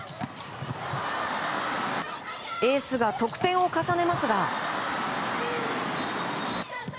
エースが得点を重ねますが。